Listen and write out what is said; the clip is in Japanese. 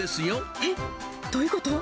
えっ？どういうこと？